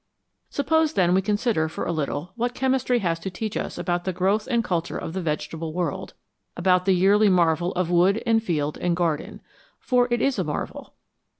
Suppose, then, we consider for a little what chemistry has to teach us about the growth and culture of the vegetable world, about the yearly marvel of wood and field and garden. For it is a marvel.